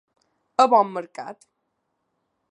A bon mercat.